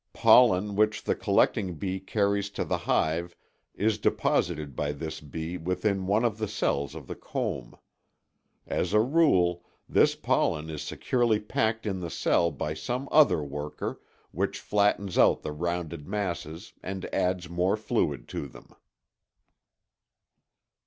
Pollen which the collecting bee carries to the hive is deposited by this bee within one of the cells of the comb. As a rule, this pollen is securely packed in the cell by some other worker, which flattens out the rounded masses and adds more fluid to them.